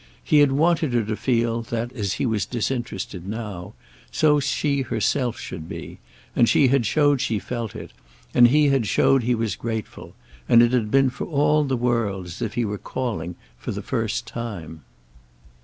He had wanted her to feel that, as he was disinterested now, so she herself should be, and she had showed she felt it, and he had showed he was grateful, and it had been for all the world as if he were calling for the first time.